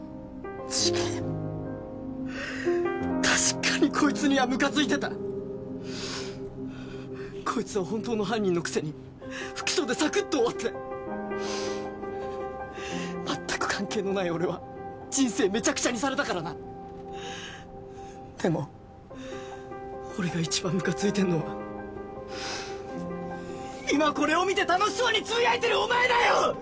違えよ確かにこいつにはむかついてたこいつは本当の犯人のくせに不起訴でさくっと終わって全く関係のない俺は人生めちゃくちゃにされたからなでも俺が一番むかついてんのは今これを見て楽しそうにつぶやいてるお前だよ！